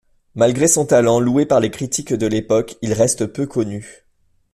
Malgré son talent loué par les critiques de l'époque, il reste peu connu.